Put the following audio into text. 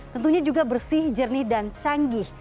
tentunya juga bersih jernih dan canggih